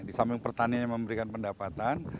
di samping pertanian yang memberikan pendapatan